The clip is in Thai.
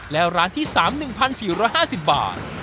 แล้วร้านที่๓๑๔๕๐บาท